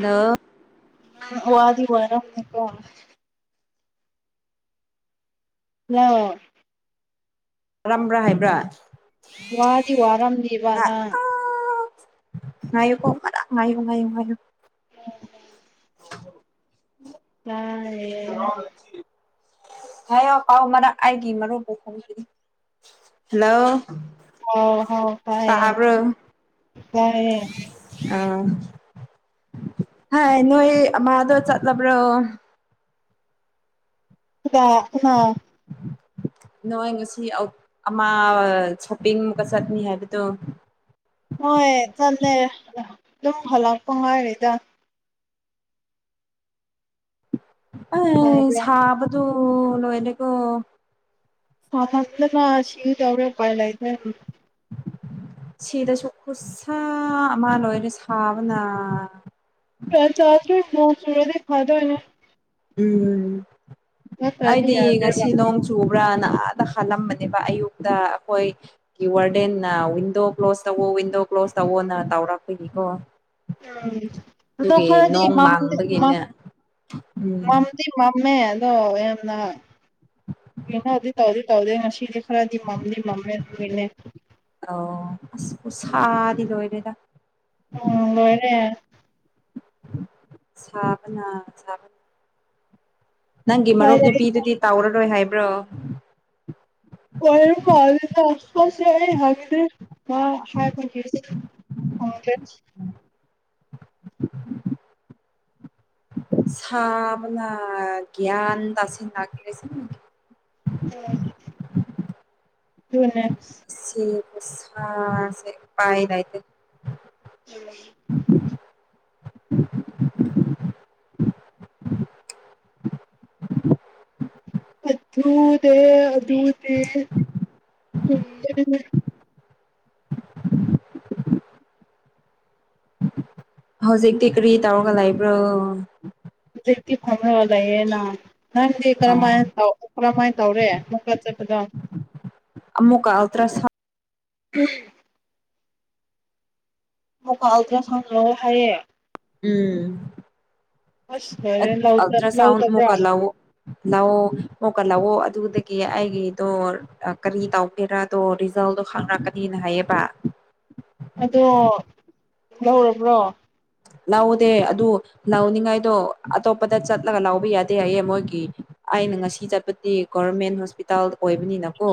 ꯅ [unintelligible] ꯋꯥꯗꯤ ꯋꯥꯔꯝꯒꯅꯤꯀꯣ ꯍꯦꯂꯣ ꯇꯔꯝꯕ꯭ꯔꯥ ꯍꯥꯏꯕ꯭ꯔꯥ ꯋꯥꯗꯤ ꯋꯥꯔꯝꯅꯤꯕ ꯉ ꯅꯪ ꯑꯣ ꯑꯃꯔꯛ ꯉꯥꯏꯌꯨ ꯉꯥꯏꯌꯨ ꯉꯥꯏꯌꯨ [unintelligible] [unintelligible] ꯎꯝ [unintelligible] ꯇꯥꯏꯌꯦ ꯍꯥꯏꯌꯣ ꯄꯥꯎ ꯃꯔꯛ ꯑꯩꯒꯤ ꯃꯔꯨꯞ ꯄꯨ ꯈꯣꯝꯈꯤꯒꯦ ꯍꯜꯂꯣ ꯁꯥꯕ꯭ꯔꯣ ꯆꯥꯔꯦ ꯑꯥ ꯍꯥꯏ ꯅꯣꯏ ꯑꯃꯥꯗꯣ ꯆꯠꯂꯕ꯭ꯔꯣ ꯑ ꯑꯥ [unintelligible] [unintelligible] [unintelligible] ꯅꯣꯏ ꯉꯁꯤ ꯑꯃ ꯁꯣꯞꯄꯤꯡ ꯑꯃꯨꯛꯀ ꯆꯠꯅꯤ ꯍꯥꯏꯕꯗꯣ ꯍꯣꯏ ꯆꯠꯂꯦ ꯑꯗꯨꯝ ꯍꯂꯛꯄ ꯉꯥꯏꯔꯤꯗ ꯑ ꯁꯥꯕ꯭ꯔꯥ ꯁꯥꯕꯗꯨ ꯂꯣꯏꯔꯦꯀꯣ ꯁꯥꯃꯟꯗꯅ ꯁꯤꯒꯦ ꯇꯧꯔꯦ ꯎꯄꯥꯏ ꯂꯩꯇꯦ ꯁꯤꯗꯁꯨ ꯈꯨꯁꯥꯥ ꯑꯃ ꯂꯣꯏꯔꯦ ꯁꯥꯕꯅ ꯆꯥꯗ꯭ꯔꯤ ꯅꯣꯡꯆꯨꯔꯗꯤ ꯐꯥꯗꯣꯏꯅꯦ ꯎꯝ ꯑꯩꯗꯤ ꯌꯥꯗ꯭ꯔꯦꯕ ꯉꯁꯤ ꯅꯣꯡ ꯆꯨ ꯄꯔꯅ ꯑꯗ ꯈꯜꯂꯝꯕꯅꯦꯕ ꯑꯌꯨꯛꯇ ꯑꯩꯈꯣꯏ ꯋꯥꯔꯗꯦꯟꯅ ꯋꯤꯟꯗꯣ ꯀ꯭ꯂꯣꯁ ꯇꯧꯕ ꯋꯤꯟꯗꯣ ꯀ꯭ꯂꯣꯁ ꯇꯧꯑꯣꯅ ꯇꯧꯔꯛꯄꯒꯤꯀꯣ ꯑꯗꯣ ꯑꯗꯨꯒꯤ ꯈꯔꯗꯤ ꯅꯣꯡ ꯃꯝꯃꯦ ꯃꯝ ꯃꯥꯡꯕꯒꯤꯅꯦ ꯎꯝ ꯃꯝꯗꯤ ꯃꯝꯃꯦ ꯑꯗꯣ ꯌꯥꯝꯅ ꯀꯩꯅꯣꯗꯤ ꯇꯧꯗꯤ ꯇꯧꯗꯦ ꯉꯁꯤꯗꯤ ꯈꯔꯥꯗꯤ ꯃꯝꯗꯤ ꯃꯝꯃꯦ ꯑꯗꯨꯒꯤꯅꯦ ꯂꯣꯏꯋꯥꯔꯦꯗ ꯑꯝ ꯂꯣꯏꯔꯦ ꯁꯥꯕꯅ ꯁꯥꯕꯅ ꯅꯪꯒꯤ ꯃꯔꯨꯞ ꯐꯔꯦ ꯅꯨꯄꯤꯗꯨꯗꯤ ꯇꯧꯔꯔꯣꯏ ꯍꯥꯏꯕ꯭ꯔꯣ ꯋꯥ ꯐꯦꯗ [unintelligible] ꯑꯁꯄꯥꯁ ꯌꯥꯏ ꯍꯥ [unintelligible] ꯑ ꯍꯥꯏꯕꯒꯤꯁꯨ [unintelligible] [unintelligible] ꯁꯕꯅ ꯒ꯭ꯌꯥꯟ ꯇꯁꯤꯜꯂꯛꯇꯔꯦ [unintelligible] [unintelligible] ꯑꯗꯨꯒꯅꯦ ꯥꯁꯤ ꯈꯨꯁꯥꯁꯦ ꯎꯄꯥꯏ ꯂꯩꯥꯇꯦ [unintelligible] [unintelligible] [unintelligible] [unintelligible] [unintelligible] [unintelligible] ꯑꯊꯨꯗ [unintelligible] ꯑꯗꯨꯅꯦ ꯆꯨꯝꯗꯣꯏꯅꯦ [unintelligible] [unintelligible] ꯍꯧꯖꯤꯛꯇꯤ ꯀꯔꯤ ꯇꯧꯔꯒ ꯂꯩꯕ꯭ꯔꯣ ꯍꯧꯖꯤꯛꯇꯤ ꯐꯝꯔꯒ ꯂꯩꯌꯦꯅ ꯅꯪꯗꯤ ꯑꯣ ꯀꯔꯝꯍꯥꯏꯅ ꯇꯧ ꯀꯔꯃꯥꯏꯅ ꯇꯧꯔꯦ ꯃꯨꯛꯀꯥ ꯆꯠꯄꯗꯣ ꯑꯃꯨꯛꯀ ꯑꯜꯇ꯭ꯔꯁꯥꯎꯟ ꯎꯝ ꯑꯜꯇ꯭ꯔꯥꯁꯥꯎꯟ ꯂꯧꯑꯣ ꯍꯥꯏꯌꯦ ꯎꯝ ꯑꯁ ꯂꯣꯏꯔꯦ ꯂꯧꯗ ꯑꯜꯇ꯭ꯔꯥꯁꯥꯎꯟ ꯂꯧꯗꯕ꯭ꯔꯥ ꯃꯣꯀꯜ ꯂꯥꯛꯑꯣ ꯂꯥꯛꯑꯣ ꯃꯣꯀꯜ ꯂꯥꯛꯑꯣ ꯑꯗꯨꯒ ꯒꯤ ꯑꯩꯒꯤꯗꯣ ꯀꯔꯤ ꯇꯧꯒꯦꯔꯥꯗꯣ ꯔꯤꯖꯜꯗꯣ ꯈꯪꯅꯔꯛꯀꯅꯤꯅ ꯍꯥꯏꯌꯦꯕ ꯎꯝ ꯑꯗꯣ ꯂꯧꯔꯕ꯭ꯔꯣ ꯂꯧꯧꯗꯦ ꯑꯗꯨ ꯅꯅꯤꯡꯉꯥꯏꯗꯣ ꯑꯇꯣꯞꯄꯗ ꯆꯠꯂꯒ ꯂꯥꯎꯕ ꯌꯥꯗꯦ ꯍꯥꯏꯌꯦ ꯃꯣꯏꯒꯤ ꯑꯩꯅ ꯉꯁꯤ ꯆꯠꯄꯗꯤ ꯒꯣꯔꯃꯦꯟ ꯍꯣꯁꯄꯤꯇꯥꯜ ꯑꯣꯏꯕꯅꯤꯅꯀꯣ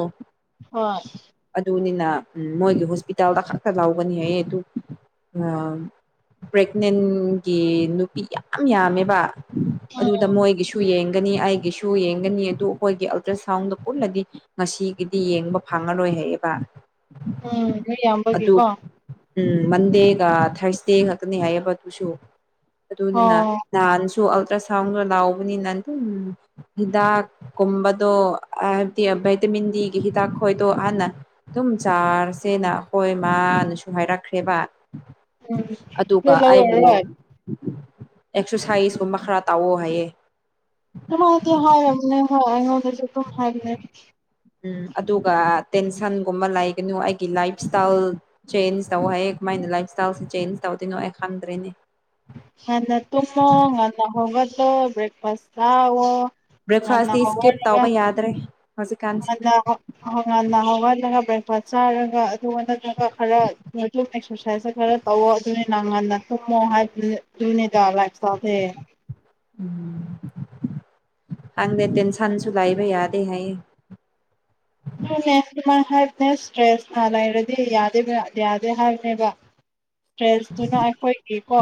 ꯍꯣꯏ ꯎ ꯃꯣꯏꯒꯤ ꯍꯣꯁꯄꯤꯇꯥꯜꯗ ꯈꯛꯇ ꯂꯥꯎꯒꯅꯤꯍ ꯑꯗꯨ ꯎ ꯄ꯭ꯔꯦꯒꯅꯦꯟꯒꯤ ꯅꯨꯄꯤ ꯌꯥꯝ ꯌꯥꯝꯃꯦꯕ ꯑꯗꯨꯗ ꯃꯣꯏꯒꯤꯁꯨ ꯌꯦꯡ ꯅꯤ ꯑꯩꯒꯤꯁꯨ ꯌꯦꯡꯒꯅꯤ ꯑꯗꯨ ꯑꯩꯈꯣꯏꯒꯤ ꯑꯜꯇ꯭ꯔ ꯁꯥꯎꯟꯗ ꯄꯨꯟꯅꯗꯤ ꯉꯁꯤꯒꯤꯗꯤ ꯌꯦꯡꯕ ꯐꯪꯉꯔꯣꯏ ꯕ ꯎꯝ ꯅꯣꯏ ꯌꯥꯝꯕꯒꯤꯀꯣ ꯎꯝ ꯃꯟꯗꯦꯒ ꯊꯥꯔꯁꯗꯦ ꯈꯥꯛꯛꯇꯅꯤ ꯍꯥꯏꯌꯦꯕ ꯑꯗꯨꯁꯨ ꯑꯣ ꯑꯗꯨꯅꯤꯅ ꯅꯍꯥꯟ ꯑꯜꯇ꯭ꯔ ꯁꯥꯎꯟꯗ ꯂꯥꯎꯕꯅꯤꯅ ꯑꯗꯨꯝ ꯍꯤꯗꯥꯛ ꯀꯨꯝꯕꯗꯣ ꯍꯥꯏꯕꯗꯤ ꯩꯇꯃꯤꯗꯤ ꯀ ꯍ ꯇꯥꯈꯣꯏ ꯇꯣ ꯍꯅ ꯑꯗꯨꯝ ꯆꯥꯔꯁꯦꯅ ꯑꯩꯈꯣꯏ ꯃꯥꯅꯁꯨ ꯍꯥꯏꯔꯛꯈ꯭ꯔꯦꯕ ꯎꯝ ꯑꯗꯨꯒ ꯅꯣꯏ ꯑꯩꯕꯨ ꯂꯧꯔꯔꯣꯏ ꯑꯦꯛꯁꯔꯁꯥꯏꯁꯀꯨꯝꯕ ꯈꯔ ꯇꯥꯛꯑꯣ ꯍꯥꯏꯌꯦꯦ ꯍꯥꯏ ꯍꯁꯨ ꯍꯥꯏꯅꯦ ꯎꯝ ꯑꯗꯨꯒ ꯇꯦꯟꯁꯟꯒꯨꯝꯕ ꯂꯩꯒꯅꯨ ꯑꯩꯒꯤ ꯂꯥꯏꯐ ꯏꯁꯇꯥꯏꯜ ꯆꯦꯟꯖ ꯇꯧ ꯍ ꯃꯥꯏꯅ ꯂꯥꯏꯐ ꯏꯁꯇꯥꯏꯜꯁꯦ ꯆꯦꯟꯖ ꯇꯧꯗꯣꯏꯅꯣ ꯑꯩ ꯈꯪꯗ꯭ꯔꯦꯅꯦ ꯍꯅ ꯇꯨꯝꯃꯣ ꯉꯟꯅ ꯍꯒꯗꯣ ꯭ꯔꯦꯛꯐꯥꯁ ꯇꯑꯣꯣ ꯕ꯭ꯔꯦꯛꯐꯥꯁꯇꯤ ꯏꯁꯀꯤꯞ ꯇꯥꯎꯧꯕ ꯌꯥꯗ꯭ꯔꯦ ꯍꯧꯖꯤꯛꯀꯥꯟꯁꯦ ꯍꯋꯥꯒ ꯆꯥꯔꯒ ꯑꯗꯨꯒ ꯅꯠꯇ꯭ꯔꯒ ꯈꯔ ꯑꯗꯨꯝ ꯑꯦꯛꯁꯔꯁꯥꯏꯁꯇ ꯈꯔ ꯇꯧꯋ ꯑꯗꯨꯅꯤ ꯅ ꯉꯟꯅ ꯃ ꯍꯥ ꯨꯅꯤ ꯇꯂꯒ ꯁꯥꯊꯦ ꯎꯝ ꯍꯪꯗ ꯇꯦꯟ ꯁꯥꯟꯁꯨ ꯂꯥꯏꯕꯩ ꯑꯗꯦ ꯍꯥꯏꯥꯏ ꯑꯗꯨꯅꯦꯃꯥꯏ ꯍꯅꯦꯁ ꯏꯁꯇ꯭ꯔꯦꯁ ꯂꯩꯔꯗꯤ ꯌꯥꯗ ꯌꯥꯗꯦ ꯍꯥꯏꯕꯅꯦꯕ ꯇ꯭ꯔꯦꯁꯇꯨꯅ ꯑꯩꯈꯣꯏꯒꯤꯀꯣ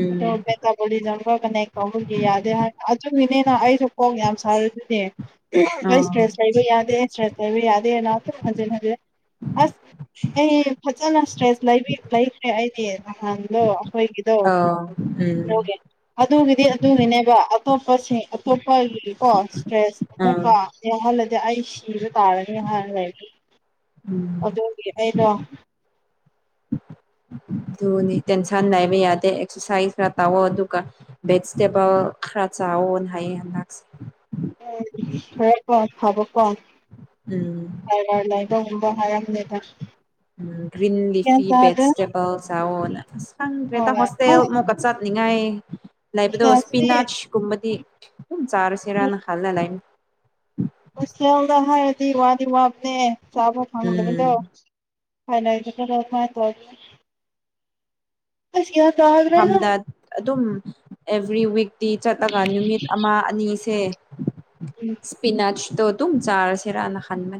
ꯎꯝ ꯑꯗꯣ ꯦꯇꯥꯕꯣꯂꯤꯖꯝꯒ ꯀꯅꯦꯛ ꯀꯒꯤ ꯌꯥꯗꯦ ꯍꯥꯏ ꯑꯗꯨꯒꯤꯅꯤꯅ ꯑꯩꯁꯨ ꯈꯣꯡ ꯌꯥꯝ ꯊꯔꯅꯦ ꯑꯩ ꯑꯥ ꯏꯁꯇ꯭ꯔꯦꯁ ꯂꯩꯕ ꯌꯥꯗꯦ ꯏꯁꯇ꯭ꯔꯦꯁ ꯂꯩꯕ ꯌꯥꯗꯦꯅꯇ ꯐꯟꯖꯤꯟ ꯍꯟꯖꯤꯦ ꯑꯁ ꯑꯩ ꯐꯖꯅ ꯏꯁꯇ꯭ꯔꯦꯁ ꯂꯩꯈ꯭ꯔꯦ ꯑꯩꯗꯤ ꯅꯍꯥꯟꯗꯣ ꯑꯩꯈꯣꯏꯒꯤꯗꯣ ꯑꯥꯎ ꯎꯝ ꯑꯗꯨꯒꯤꯗꯤ ꯑꯗꯨꯒꯤꯅꯦꯕ ꯑꯇꯣꯞꯄꯁꯤꯡ ꯑꯇꯣꯞꯄꯒꯤꯀꯣ ꯏꯁꯇ꯭ꯔꯦꯁ ꯑꯥ ꯑꯃꯨꯛꯀ ꯌꯥꯍꯜꯂꯗꯤ ꯑꯩ ꯁꯤꯔ ꯇꯥꯔꯅꯤ ꯍꯥꯏꯅ ꯂꯩꯅꯤ ꯑꯗꯨꯗꯤ ꯑꯩꯅꯣ ꯎꯝ ꯑꯗꯨ ꯇꯦꯟꯁꯟ ꯂꯩꯕ ꯌꯥꯗꯦ ꯑꯦꯛꯁꯔꯁꯥꯏꯁ ꯈꯔ ꯇꯥꯑꯣꯣ ꯑꯗꯨꯒ ꯚꯦꯠ ꯏꯁꯇꯦꯕꯜ ꯈꯔ ꯆꯥꯑꯣꯅ ꯍꯥꯏꯌꯦ ꯍꯟꯗꯥꯛꯁꯦ ꯎꯝ ꯍꯔꯀꯣ ꯐꯕ ꯀꯣ ꯎꯝ ꯍꯥꯏꯔ ꯂꯔ ꯂꯩꯕ ꯍꯕ ꯍꯥꯏꯅꯦꯦꯗ ꯎꯝ ꯒ꯭ꯔꯤꯟ ꯂꯤꯐꯤ ꯚꯦꯖꯤꯇꯦꯕꯜꯁꯎꯟ ꯑꯁ ꯐꯪꯗ꯭ꯔꯦ ꯍꯣꯏ ꯅꯪ ꯍꯣꯁꯇꯦꯜ ꯃ ꯆꯠ ꯅꯤꯡꯉꯥꯏ ꯍꯣꯁꯇꯦꯜꯗꯗꯤ ꯂꯩꯕꯗꯣꯁꯄꯤꯅꯥꯁꯀꯨꯝꯕꯗꯤ ꯑꯗꯨꯝ ꯆꯥꯔꯁꯤꯔꯅ ꯈꯜꯂ ꯂꯅꯤ ꯍꯁꯣꯗ ꯍꯥꯏꯔꯗꯤ ꯋꯥꯗꯤ ꯋꯥꯕꯅꯦ ꯆꯥꯕ ꯎꯝ ꯐꯪꯗꯕꯗꯣ ꯐ ꯇ ꯌ ꯃꯐꯝꯗ ꯑꯗꯨꯝ ꯑꯦꯚ꯭ꯔꯤ ꯋꯤꯛꯇꯛꯇꯤ ꯆꯠꯂꯒ ꯅꯨꯃꯤꯠ ꯑꯃ ꯑꯅꯤꯁꯦ ꯁ꯭ꯄꯤꯅꯥꯆꯗꯣ ꯇꯝ ꯆꯥꯔꯖꯦꯔꯥꯅ ꯈꯟꯃ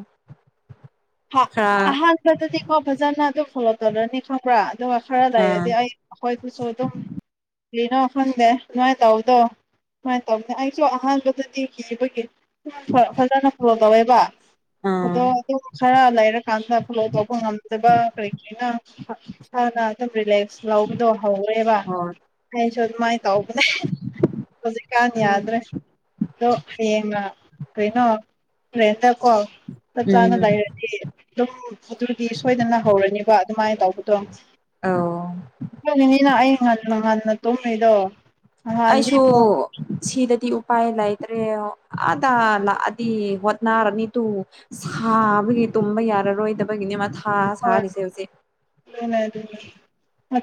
ꯍꯥ ꯑꯍꯥꯟꯕꯗꯗꯤꯀꯣ ꯕꯖꯥꯔꯅ ꯑꯗꯨ ꯈꯣꯂꯛꯇꯔꯅꯤ ꯈꯕ꯭ꯔꯥ ꯗꯋꯥ ꯈꯔꯗ ꯑꯥ ꯍꯥꯏꯗꯤ ꯑ ꯍꯣꯏ ꯇꯨ ꯁꯣ ꯇ ꯀꯩꯅꯣ ꯈꯪꯗꯦ ꯑꯗꯨꯃꯥꯏꯅ ꯇꯧꯕꯗꯣ ꯁꯃꯥꯏꯅ ꯇꯧꯕꯅꯦ ꯑꯩꯁꯨ ꯑꯍꯥꯟꯕꯗꯗꯤ ꯀꯤꯕꯒꯤ ꯐꯖꯅ ꯄꯨꯔꯛꯀꯧꯋꯦꯕ ꯑꯥ ꯑꯗꯣ ꯈꯔ ꯂꯩꯔꯀꯥꯟꯗ ꯐꯣꯂꯣ ꯇꯧꯕ ꯉꯝꯗꯕ ꯀꯔꯤꯒꯅ ꯏꯁꯥꯅ ꯑꯗꯨꯝ ꯔꯤꯂꯦꯛꯁ ꯂꯧꯕꯗꯣ ꯍꯧꯔꯦꯕ ꯍꯣꯏ ꯑꯩꯁꯨ ꯑꯗꯨꯃꯥꯏꯅ ꯇꯧꯕꯅꯦ ꯍꯧꯖꯤꯛꯀꯥꯟ ꯑꯗꯨ ꯌꯥꯗ꯭ꯔꯦ ꯑꯗꯣ ꯍꯌꯦꯡ ꯀꯩꯅꯣ ꯔꯦꯗ ꯀꯣ ꯆꯥꯅ ꯎꯝ ꯂ ꯑꯗꯨꯝ ꯑꯗꯨꯗꯤ ꯁꯣꯏꯗꯅ ꯍꯧꯔꯅꯤꯕ ꯑꯗꯨꯃꯥꯏꯅ ꯇꯧꯕꯗꯣ ꯑꯧ ꯅꯤꯅ ꯑꯩ ꯉꯇ ꯉꯇꯅ ꯇꯣꯡꯅꯩꯗꯣ ꯑꯩꯁꯨ ꯁꯤꯗꯗꯤ ꯎꯄꯥꯏ ꯂꯩꯇ꯭ꯔꯦ ꯑꯗ ꯂꯛꯑꯥꯗꯤ ꯍꯣꯠꯅꯔꯅꯤ ꯗꯨ ꯁꯕ ꯇꯨꯝ ꯌꯥꯔ ꯔꯣꯏꯗꯕꯒꯤꯅꯦ ꯃꯥ ꯊꯥ ꯍꯣꯏ ꯁꯥꯔꯤꯁꯦ ꯍꯧꯖꯤꯛ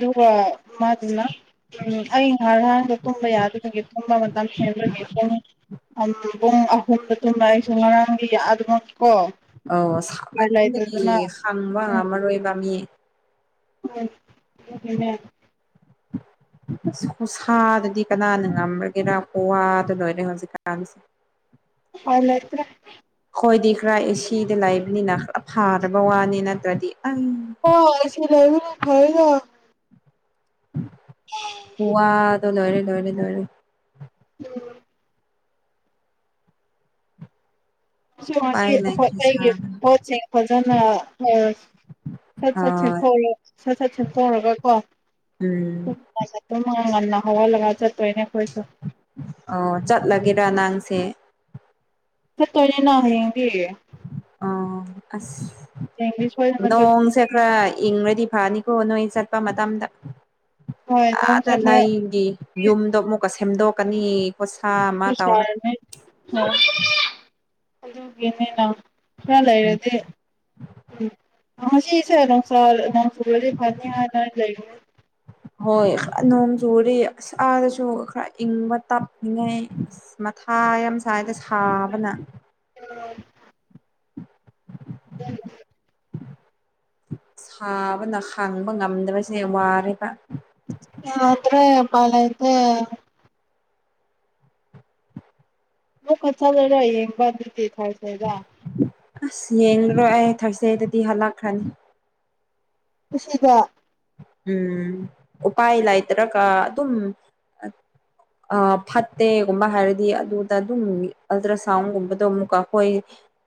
ꯗꯨꯒ ꯃꯥꯗꯨꯅ ꯎꯝ ꯑꯩ ꯉꯔꯥꯡꯗ ꯇꯨꯝꯕ ꯌꯥꯗꯕꯒꯦ ꯇꯨꯝꯕ ꯃꯇꯝ ꯍꯦꯟꯕꯒꯤ ꯗꯨꯝ ꯄꯨꯡ ꯑꯍꯨꯝꯗ ꯇꯨꯝꯕ ꯑꯩꯁꯨ ꯉꯔꯥꯡꯒꯤ ꯑꯗꯨꯃꯛ ꯑꯧ ꯁꯃꯟꯕꯒꯤ ꯍꯪꯕ ꯉꯝꯃꯔꯣꯏꯕ ꯃꯤ ꯎꯝ ꯎꯝ [inaudible] ꯁꯥꯗꯗꯤ ꯀꯅꯥꯅ ꯉꯝꯔꯒꯦꯔ ꯀꯋꯥꯗ ꯂꯣꯏꯔꯦ ꯍꯧꯖꯤꯛꯀꯥꯟꯁꯦ [inaudible] ꯑ꯭ꯔ [unintelligible] ꯍꯣꯏꯗꯤ ꯈꯔ ꯑꯦꯁꯤ ꯂꯩꯕꯅꯤꯅ ꯈꯔ ꯐꯥꯔꯕ ꯋꯥꯅꯤ ꯅꯠꯇ꯭ꯔꯗꯤ ꯑꯩ ꯍ ꯑꯦꯁꯤ ꯂꯩꯥꯏꯕꯔꯤ ꯐꯑꯒ [unintelligible] ꯋꯥꯗ ꯂꯣꯏꯔꯦ ꯂꯣꯏꯔꯦ ꯂꯣꯏꯔꯦ ꯎꯝ [inaudible] ꯃꯁꯤ ꯎꯄꯥꯏ [inaudible] ꯂꯩꯇ꯭ꯔꯦ ꯑꯩꯒꯤ ꯁꯥꯕꯅ ꯄꯣꯠꯁꯦ ꯐꯖꯅ ꯁꯠ ꯁꯠ ꯁ [inaudible] ꯛ ꯑ ꯁꯠ ꯁꯠ ꯁꯦꯠꯇꯣꯛꯔꯒ ꯀꯣ ꯎꯝ ꯑꯉꯅ ꯍꯋꯥ ꯂꯥꯏ ꯆ [unintelligible] ꯑꯣ ꯆꯠꯂꯒꯦꯔꯥ ꯅꯥꯡꯁꯦ [unintelligible] ꯑꯣ ꯍꯌꯦꯡꯗꯤ ꯑꯁ ꯁꯣꯏꯗꯅ ꯆꯠ ꯅꯣꯡꯁꯦ ꯈꯔ ꯏꯪꯔꯗꯤ ꯐꯥꯅꯤꯀꯣ ꯅꯣꯏ ꯆꯠꯄ ꯃꯇꯝꯗ ꯍꯣꯏ ꯑꯥꯗ ꯅꯪꯁꯦ ꯅ ꯈꯔ ꯑꯩꯒꯤ ꯌꯨꯝꯗꯣ ꯑꯃꯨꯛꯀ ꯁꯦꯝꯗꯣꯛꯀꯅꯤ ꯈꯨꯠꯁꯥ ꯑꯃ ꯇꯧꯔꯒ ꯍꯁꯔꯅꯦ [inaudible] ꯑꯗꯨꯅꯦ ꯅ ꯈꯔ ꯎꯝ ꯂꯩꯔꯗꯤ ꯎ ꯍ ꯁꯤꯁꯦ [inaudible] ꯅ ꯏ ꯐꯅꯤ ꯂꯩ ꯍꯣꯏ ꯅꯣꯡ ꯆꯨꯔꯗꯤ ꯑꯁ ꯑꯥꯗꯁꯨ ꯈꯔ ꯏꯪꯕ ꯇꯞꯅꯤꯡꯉꯩ ꯊꯥ ꯌꯥꯝ ꯁꯥꯏꯗ ꯁꯥꯕꯅ ꯎ [inaudible] ꯁꯥꯕꯅ ꯈꯥꯡꯕ ꯉꯝꯗꯕꯁꯦ ꯍ ꯋꯥꯔꯦꯕ ꯗ꯭ꯔꯦ ꯃꯥꯂꯗ [inaudible] ꯃꯨ ꯀ ꯆ ꯂꯩꯔ ꯌꯦꯡꯕ ꯑꯗꯨꯇꯤ ꯈꯥꯏꯁꯗ [inaudible] ꯌꯦꯡꯂꯨꯔꯣꯏ ꯑꯩ ꯊꯥꯔꯁꯗꯦꯗꯗꯤ ꯍꯜꯂꯛꯈ꯭ꯔꯅꯤ ꯁꯤꯗ ꯎꯝ ꯎꯄꯥꯏ ꯂꯩꯇ꯭ꯔꯒ ꯑꯗꯨꯝ ꯐꯠꯇꯦꯒꯨꯝꯕ ꯍꯥꯏꯔꯗꯤ ꯑꯗꯨꯗ ꯑꯗꯨꯝ ꯑꯜꯇ꯭ꯔ ꯁꯥꯎꯟꯒꯨꯝꯕꯗꯣ ꯑꯃꯨꯛꯀ ꯈꯣꯏ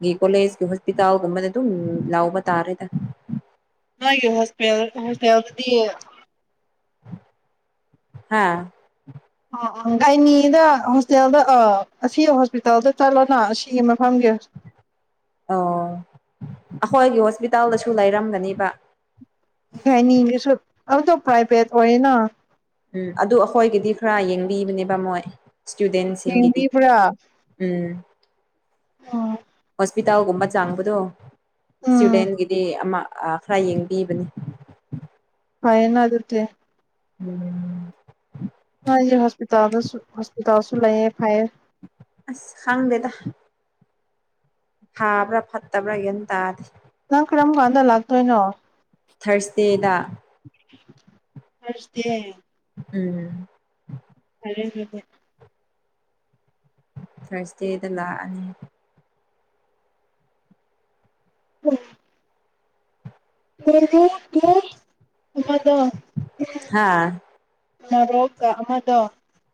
ꯒꯤ ꯀꯣꯂꯦꯖꯀꯤ ꯍꯣꯁꯄꯤꯇꯥꯜꯒꯨꯝꯕꯗ ꯑꯗꯨꯝ ꯂꯥꯎꯕ ꯇꯥꯔꯦꯗ ꯂ ꯍꯣꯁꯄꯤꯌꯥ ꯍꯁꯄꯤꯗꯤ [unintelligible] ꯍꯥꯥ ꯑ ꯑ ꯒꯥꯏꯅꯤꯗ ꯍꯣꯁꯇꯦꯜꯗ ꯑꯥ ꯑꯁꯤ ꯍꯣꯁꯄꯤꯇꯥꯜꯗ ꯆꯠꯂꯣꯅ ꯑꯁꯤꯒꯤ ꯊꯪꯒꯦ ꯑꯣ ꯑꯩꯈꯣꯏꯒꯤ ꯍꯣꯁꯄꯤꯇꯥꯜꯗꯁꯨ ꯂꯩꯔꯝꯒꯅꯦꯕ ꯒꯥꯏꯅꯤꯁꯨ ꯑꯗꯨ ꯄꯔꯥꯏꯚꯦꯠ ꯑꯣꯏꯌꯦꯅ ꯎꯝ ꯑꯗꯨ ꯑꯩꯈꯣꯏꯒꯤꯗꯤ ꯈꯔ ꯌꯦꯡꯕꯤꯕꯅꯦꯕ ꯃꯣꯏ ꯁꯇꯨꯗꯦꯟꯠ ꯁꯤꯒꯤꯗꯤ ꯌꯦꯡꯕꯤꯕ꯭ꯔꯥ ꯎꯝ ꯎꯝ ꯍꯣꯁꯄꯤꯇꯥꯜꯒꯨꯝꯕ ꯆꯥꯡꯕꯗꯣ ꯎꯝ ꯏꯁꯇꯨꯗꯦꯟꯒꯤꯗꯤ ꯑꯃ ꯑ ꯈꯔ ꯌꯦꯡꯕꯤꯕꯅꯤ ꯐꯥꯏꯅ ꯑꯗꯨꯇꯦ ꯎꯝ ꯍꯣꯁꯄꯤꯇꯥꯜꯗꯁꯨ ꯍꯣꯁꯄꯤꯇꯥꯜꯁꯨ ꯂꯩꯌꯦ ꯐꯥꯏꯌꯦ ꯑꯁ ꯈꯪꯗꯦꯗ ꯊꯥꯕ꯭ꯔꯥ ꯐꯠꯇꯕ꯭ꯔꯥꯒꯟ ꯇꯥꯗꯤꯦ ꯅꯪ ꯀ꯭ꯔꯝ ꯀꯥꯟꯗ ꯂꯥꯛꯗꯣꯏꯅꯣ ꯊꯔꯁꯗꯦꯗ ꯍꯁꯇ ꯎꯝ [unintelligible] ꯊꯔꯁꯗꯦꯗ ꯂꯥꯛꯑꯅꯤ ꯎꯝ ꯀꯗꯤ ꯍꯥꯥ ꯅꯔꯣꯛꯀ ꯑꯃꯗꯣ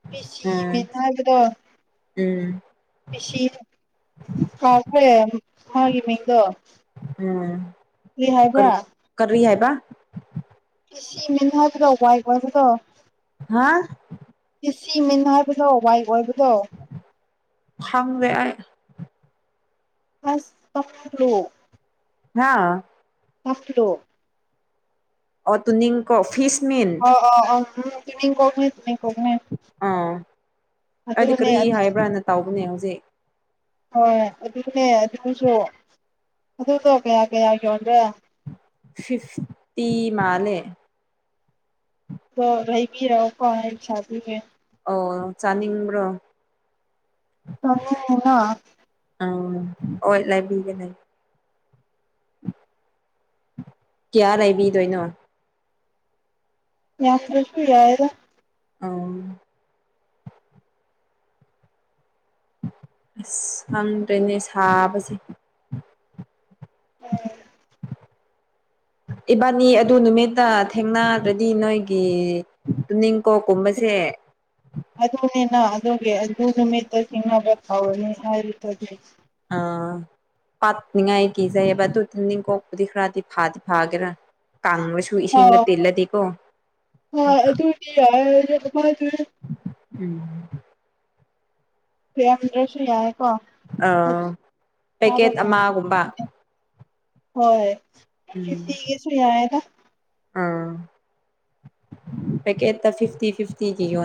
ꯐꯤꯁꯤ ꯎꯝ ꯃꯤꯅꯥꯕꯗꯣ ꯎꯝ ꯀꯥꯇ꯭ꯔꯦ ꯍꯥꯏꯒꯤ ꯃꯤꯗꯣ ꯔꯤ ꯍꯥꯏꯕ ꯁꯤ ꯃꯤꯅ ꯍꯥꯏꯕꯗ ꯋꯥꯏ ꯋꯥꯏꯕꯗꯣ ꯍꯥ ꯏ ꯃꯤꯟ ꯍꯥꯏꯕꯗꯣ ꯋꯥꯏ ꯑꯣꯏꯕꯗꯣ ꯐꯝꯗꯥꯏ ꯑꯁꯣ ꯍꯥꯥ ꯑꯐꯣ ꯑꯣ ꯇꯨ ꯀꯣ ꯐꯤꯁ ꯃꯤꯟ ꯑꯣ ꯑꯣ ꯑꯣ ꯎꯝ ꯇꯃꯤ ꯀꯧ ꯑꯥ ꯍꯥꯏꯗꯤ ꯑꯗꯨꯅꯦ ꯀꯔꯤ ꯍꯥꯏꯕ꯭ꯔꯥꯅ ꯇꯥꯎꯧꯕꯅꯦ ꯍꯧꯖꯤꯛ ꯍꯣꯏ ꯑꯗꯨꯅꯦ ꯑꯗꯨꯒꯤꯁꯨ ꯑꯗꯨꯗꯣ ꯀꯌꯥ ꯀꯌꯥ ꯌꯣꯟꯒꯦ ꯐꯤꯐꯇꯤ ꯃꯥꯂꯦ ꯔꯍꯤꯕꯤꯔꯣ ꯀꯦ ꯁ ꯑꯣ ꯆꯥꯅꯤꯡꯕ꯭ꯔꯣ ꯆꯔꯅ ꯑꯪ ꯍꯣꯏ ꯂꯩꯕꯤꯒꯦꯅꯦ ꯀꯌꯥꯕꯤꯗꯣꯏꯅꯣ ꯌꯥ ꯐꯁꯁꯨ ꯌꯥꯑꯒ ꯑ ꯑꯁ ꯁꯪꯗ꯭ꯔꯦꯅꯦ ꯁꯥꯕꯁꯦ ꯎꯝ ꯏꯕꯥꯅꯤ ꯑꯗꯨ ꯅꯨꯃꯤꯠꯇ ꯊꯦꯡꯅꯗ꯭ꯔꯗꯤ ꯅꯣꯏꯒꯤ ꯇꯅꯤꯡꯀꯣꯛ ꯀꯨꯝꯕꯁꯦ ꯑꯗꯨꯅꯦꯅ ꯑꯗꯨꯗꯒꯤ ꯑꯗꯨ ꯑꯗꯨ ꯅꯨꯃꯤꯠꯇ ꯁꯤꯅꯕꯕꯅꯤ ꯍꯥꯏꯔꯤ ꯑꯗꯨ ꯑꯥ ꯄꯥꯅꯤꯡꯉꯥꯏ ꯀꯤꯖꯩꯑꯕ ꯑꯗꯨ ꯅꯤꯡꯀꯣꯛꯄꯗꯤ ꯈꯔꯗꯤ ꯐꯥꯗꯤ ꯐꯥꯒꯦꯔꯥ ꯀꯥꯡꯕꯁꯨ ꯏꯁꯤꯡꯗ ꯑꯣ ꯇꯤꯜꯂꯗꯤꯀꯣ ꯑꯗꯨꯗꯤ ꯌꯥꯏ ꯑꯗꯨ ꯍꯣꯏ ꯎꯝ ꯁꯦꯝꯗ꯭ꯔꯁꯨ ꯑ ꯌꯥꯏꯦꯀꯣꯥꯕ ꯄꯦꯀꯦꯠ ꯐ ꯑꯃꯒꯨꯝꯕ ꯍꯣꯏꯇꯤꯒꯤꯁꯨ ꯌꯥꯑꯗ ꯑ ꯄ ꯀꯦ ꯐꯤꯐꯇꯤ ꯐꯤꯐꯇꯤꯣ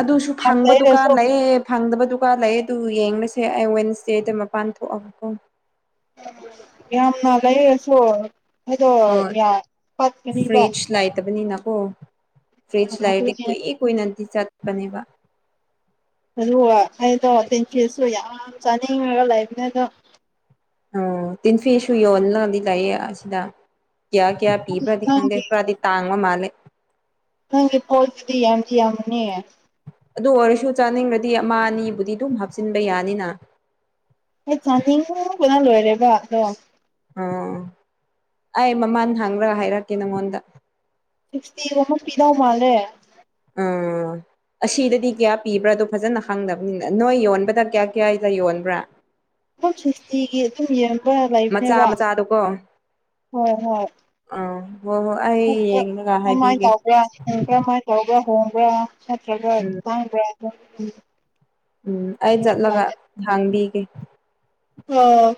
ꯑꯗꯨꯁꯨ ꯌꯥꯝ ꯐꯪꯕ ꯗꯨꯀꯥꯟ ꯂꯩꯔꯁꯨ ꯂꯩꯌꯦ ꯐꯪꯗꯕ ꯗꯨꯀꯥꯟ ꯂꯩ ꯑꯗꯨ ꯌꯦꯡꯁꯦ ꯑꯩ ꯋꯦꯟꯁꯗꯦꯗ ꯃꯄꯥꯟ ꯊꯣꯛꯑꯕꯀꯣ ꯌꯥꯝꯅ ꯂꯩꯁꯨ ꯑꯗꯣ ꯍꯣꯏ ꯐꯠꯀꯅꯤꯕ ꯑꯣ ꯐ꯭ꯔꯤꯖ ꯂꯥꯏꯇꯦ ꯀꯏꯦ ꯀꯏꯅꯠꯇ ꯆꯠꯄꯅꯦꯕ ꯑꯗꯨꯒ ꯑꯩꯗꯣ ꯊꯦꯡꯀ꯭ꯌꯨꯁꯨ ꯌꯥꯝ ꯆꯥꯅꯤꯡꯉꯒ ꯂꯩꯕꯅꯦ ꯑꯗꯣ ꯎ ꯇꯤꯟꯐꯤꯁꯁꯨ ꯌꯣꯜꯂꯗꯤ ꯂꯩꯌꯦ ꯑꯁꯤꯗ ꯀꯌꯥ ꯀꯌꯥ ꯄꯤꯕ꯭ꯔꯥꯗꯤ ꯈꯥꯡꯗꯦ ꯅꯪꯒꯤ ꯈꯔꯥꯗꯤ ꯇꯥꯡꯕ ꯃꯥꯂꯤ ꯅꯪꯒꯤ ꯄꯣꯠꯁꯤꯗꯤ ꯌꯥꯝꯗꯤ ꯌꯥꯝꯕꯅꯦ ꯑꯗꯨ ꯑꯣꯏꯔꯁꯨ ꯆꯥꯅꯤꯡꯉꯗꯤ ꯑꯃ ꯑꯅꯤꯕꯨꯗꯤ ꯑꯗꯨꯝ ꯍꯥꯞꯆꯤꯟꯕ ꯌꯥꯅꯤꯅ ꯄꯨꯅ ꯂꯣꯏꯔꯦꯕ ꯑꯗꯣ ꯑꯣꯥ ꯑꯩ ꯃꯃꯥꯟ ꯍꯥꯡꯔꯒ ꯍꯥꯏꯔꯛꯀꯦ ꯅꯉꯣꯟꯗ ꯁꯤꯁꯇꯤꯒ ꯑꯃ ꯄꯤꯗꯧ ꯃꯥꯜꯂꯦ ꯑ ꯑꯁꯤꯗꯗꯤ ꯀꯌꯥ ꯄꯤꯕ꯭ꯔꯥꯗꯣ ꯐꯖꯅ ꯈꯪꯗꯕꯅꯤꯅ ꯅꯣꯏ ꯌꯣꯟꯕꯗ ꯀꯌꯥ ꯀꯌꯥꯗ ꯌꯣꯟꯕ꯭ꯔꯥ ꯁꯤꯁꯇꯤꯒꯤ ꯑꯗꯨꯝ ꯌꯦꯡꯕ ꯃꯆꯥ ꯂꯩꯕꯅꯦꯕ ꯃꯆꯥꯗꯣꯀꯣ ꯍꯣꯏ ꯑꯥ ꯍꯣꯏ ꯑꯩ ꯍꯣꯏ ꯌꯦꯡꯂꯒ ꯀꯔꯃꯥꯏ ꯍꯥꯏꯕꯤꯒꯦ ꯇꯕ꯭ꯔꯥ ꯁꯤꯗ ꯀ꯭ꯔꯃꯥꯏ ꯇꯕ꯭ꯔꯥ ꯍꯣꯡꯕ꯭ꯔꯥ ꯅꯠꯇ꯭ꯔꯒ ꯎꯝ ꯇꯥꯡꯕ꯭ꯔꯥ ꯑꯗꯨ ꯎꯝ ꯑꯩ ꯆꯠꯂꯒ ꯍꯥꯡꯕꯤꯒꯦ ꯑꯣꯝ